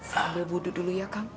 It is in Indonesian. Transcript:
sambil budut dulu ya kang